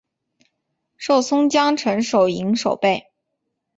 授松江城守营守备。